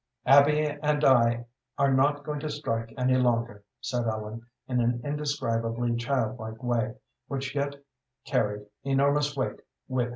"Abby and I are not going to strike any longer," said Ellen, in an indescribably childlike way, which yet carried enormous weight with it.